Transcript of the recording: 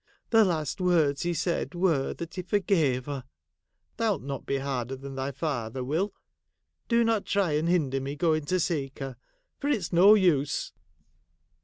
The last words he said were that he forgave her. Thou 'It not be harder than thy father, Will ? Do not try and hinder me going to seek her, for it 's no use.'